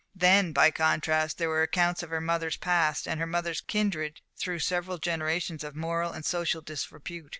Then, by contrast, there were accounts of her mother's past and her mother's kindred through several generations of moral and social disrepute.